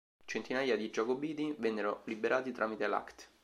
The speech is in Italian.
Centinaia di giacobiti vennero liberati tramite l'Act.